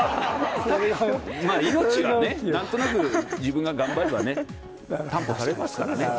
まあ命はね、なんとなく、自分が頑張ればね、担保されますからね。